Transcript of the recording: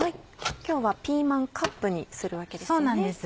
今日はピーマンカップにするわけですよね。